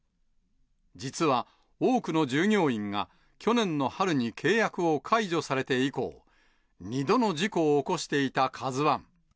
実は多くの従業員が、去年の春に契約を解除されて以降、２度の事故を起こしていたカズワン。